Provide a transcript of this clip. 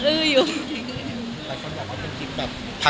คุณสัมผัสดีครับ